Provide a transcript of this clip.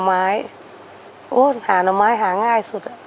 อ้าวหาน่อไม้หาง่ายสุด